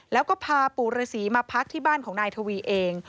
แล้วก็พาปู่ฤษีมาพักที่บ้านของนายทวีเอง